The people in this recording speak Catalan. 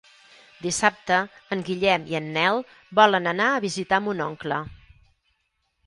Dissabte en Guillem i en Nel volen anar a visitar mon oncle.